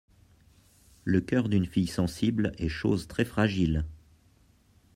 Le cœur d'une fille sensible est chose très fragile.